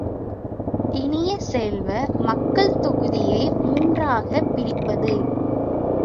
இனிய செல்வ, மக்கள் தொகுதியை மூன்றாகப் பிரிப்பது!